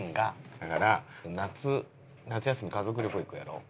だから夏夏休み家族旅行行くやろ？